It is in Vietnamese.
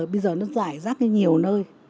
bây giờ nó giải rác ra nhiều nơi